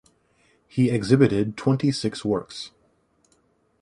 He exhibited twenty-six works.